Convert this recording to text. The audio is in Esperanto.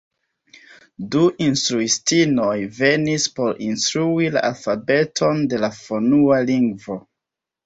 Du instruistinoj venis por instrui la alfabeton de la fonua lingvo.